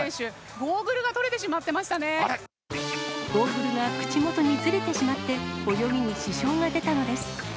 ゴーグルが口元にずれてしまって、泳ぎに支障が出たのです。